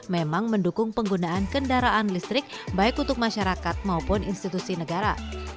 memang mendukung penggunaan kendaraan listrik baik untuk masyarakat maupun institusi negara